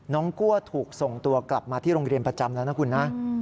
กลัวถูกส่งตัวกลับมาที่โรงเรียนประจำแล้วนะคุณนะ